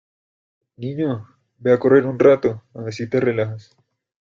Niño, ve a correr un rato, a ver si te relajas.